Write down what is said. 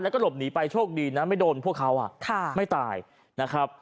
แล้วก็หลบหนีไปโชคดีนะไม่โดนพวกเขาไม่ตายนะครับ